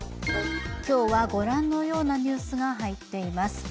今日はご覧のようなニュースが入っています。